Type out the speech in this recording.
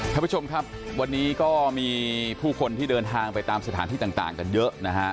ท่านผู้ชมครับวันนี้ก็มีผู้คนที่เดินทางไปตามสถานที่ต่างกันเยอะนะฮะ